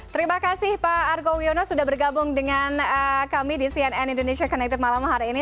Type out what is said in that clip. terima kasih pak argo wiono sudah bergabung dengan kami di cnn indonesia connected malam hari ini